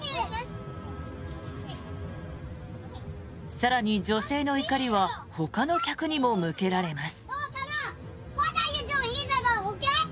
更に女性の怒りはほかの客にも向けられます。